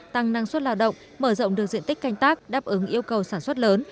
tăng năng suất lao động mở rộng được diện tích canh tác đáp ứng yêu cầu sản xuất lớn